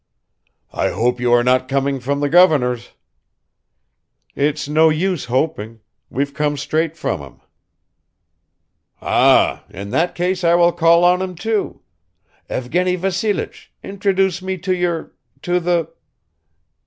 "I hope you are not coming from the governor's." "It's no use hoping. We've come straight from him." "Ah, in that case I will call on him, too ... Evgeny Vassilich, introduce me to your ... to the. ..